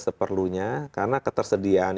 seperlunya karena ketersediaan